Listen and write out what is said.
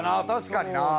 確かにな。